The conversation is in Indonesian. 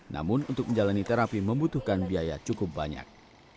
namun untuk menjalani terapi membutuhkan biaya cukup banyak